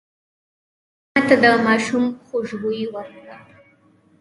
مېلمه ته د ماشوم خوشبويي ورکړه.